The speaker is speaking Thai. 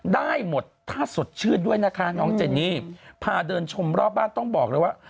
ได้หมดถ้าสดชื่นด้วยนะคะน้องเจนี่พาเดินชมรอบบ้านต้องบอกเลยว่า